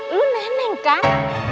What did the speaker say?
lu nenek kan